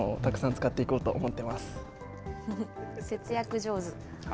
節約上手。